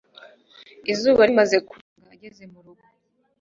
Izuba rimaze kurenga ageze murugo